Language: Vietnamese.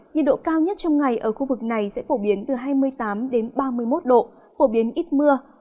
nhiệt độ cao nhất trong ngày ở khu vực này sẽ phổ biến từ hai mươi tám ba mươi một độ phổ biến ít mưa